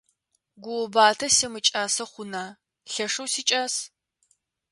Гуубатэ симыкӀасэ хъуна! Лъэшэу сикӀас.